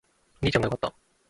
お兄ちゃんが良かった